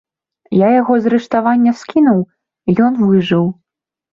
Я яго з рыштавання скінуў, ён выжыў.